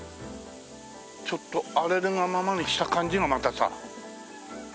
ちょっと荒れるがままにした感じがまたさ。